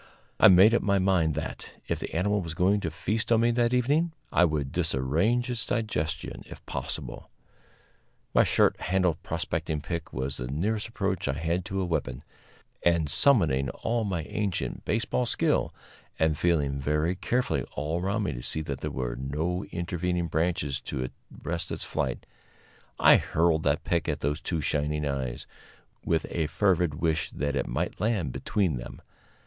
I made up my mind that, if the animal was going to feast on me that evening, I would disarrange its digestion, if possible. My short handled prospecting pick was the nearest approach I had to a weapon, and, summoning all my ancient baseball skill, and feeling very carefully all around me to see that there were no intervening branches to arrest its flight, I hurled that pick at those two shining eyes, with a fervid wish that it might land between them.